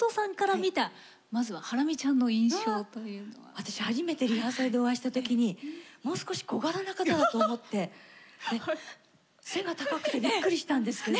私初めてリハーサルでお会いした時にもう少し小柄な方だと思って背が高くてびっくりしたんですけど。